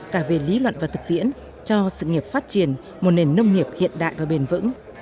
cả về lý luận và thực tiễn cho sự nghiệp phát triển một nền nông nghiệp hiện đại và bền vững